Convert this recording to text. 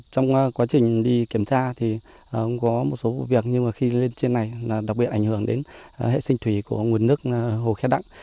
trong quá trình đi kiểm tra thì cũng có một số vụ việc nhưng mà khi lên trên này là đặc biệt ảnh hưởng đến hệ sinh thủy của nguồn nước hồ khe đặng